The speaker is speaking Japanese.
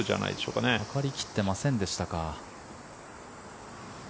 かかり切っていませんでしたか。